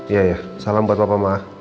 iya iya salam buat papa ma